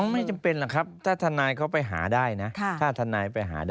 ไม่จำเป็นหรอกครับถ้าธนายเขาไปหาได้นะ